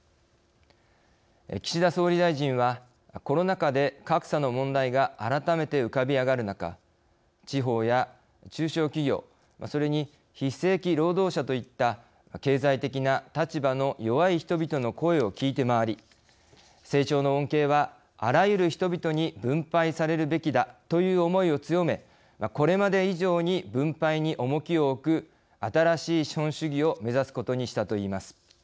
岸田総理大臣は、コロナ禍で格差の問題が改めて浮かび上がる中地方や中小企業、それに非正規労働者といった経済的な立場の弱い人々の声を聞いて回り成長の恩恵はあらゆる人々に分配されるべきだという思いを強めこれまで以上に分配に重きを置く新しい資本主義を目指すことにしたといいます。